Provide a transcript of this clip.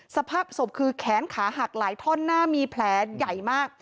สภาพศพคือแขนขาหักหลายท่อนหน้ามีแผลใหญ่มาก